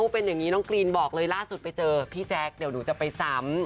เป็นอย่างนี้น้องกรีนบอกเลยล่าสุดไปเจอพี่แจ๊คเดี๋ยวหนูจะไปซ้ำ